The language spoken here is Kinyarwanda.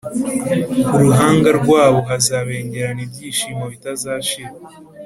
Ku ruhanga rwabo hazabengerana ibyishimo bitazashira,